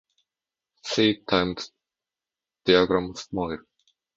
See Timed Diagrams Model.